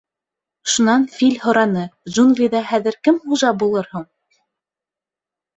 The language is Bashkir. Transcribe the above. Шунан Фил һораны: «Джунглиҙа хәҙер кем хужа булыр һуң?»